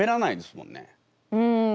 うん。